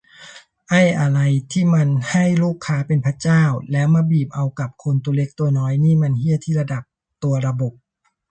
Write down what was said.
ไอ้อะไรที่มันให้ลูกค้าเป็นพระเจ้าแล้วมาบีบเอากับคนตัวเล็กตัวน้อย นี่มันเหี้ยที่ระดับตัวระบบ